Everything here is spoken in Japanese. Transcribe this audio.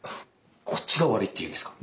こっちが悪いって言うんですか？